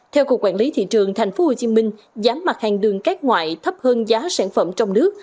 theo cục quản lý thị trường tp hcm giá mặt hàng đường cát ngoại thấp hơn giá sản phẩm trong nước